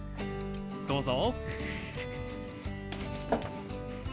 どうぞ。